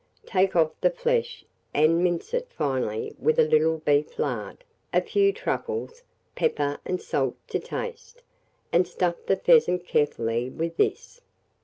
Take off the flesh, and mince it finely with a little beef, lard, a few truffles, pepper and salt to taste, and stuff the pheasant carefully with this.